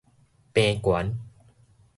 平懸